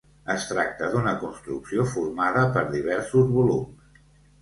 Es tracta d'una construcció formada per diversos volums.